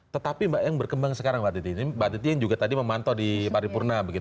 tetapi mbak yang berkembang sekarang mbak titi yang juga tadi memantau di paripurna